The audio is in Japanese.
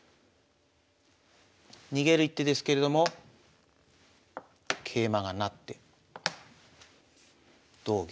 逃げる一手ですけれども桂馬が成って同玉。